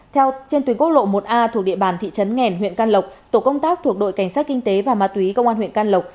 theo trên tuyến quốc lộ một a thuộc địa bàn thị trấn nghèn huyện can lộc tổ công tác thuộc đội cảnh sát kinh tế và ma túy công an huyện can lộc